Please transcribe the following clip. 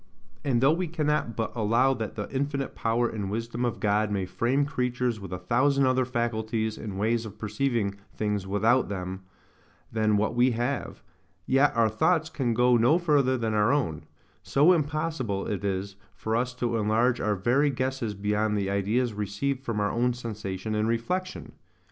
And though we cannot but allow that the infinite power and wisdom of God may frame creatures with a thousand other faculties and ways of perceiving things without them than what we have, yet our thoughts can go no further than our own: so impossible it is for us to enlarge our very guesses beyond the ideas received from our own sensation and reflection.